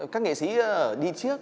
các nghệ sĩ đi trước